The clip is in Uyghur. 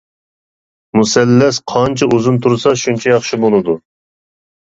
مۇسەللەس قانچە ئۇزۇن تۇرسا شۇنچە ياخشى بولىدۇ.